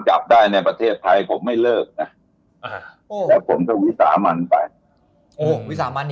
จับได้ในประเทศไทยผมไม่เลิกแต่คนที่วิสามั่นไปวิสามั่น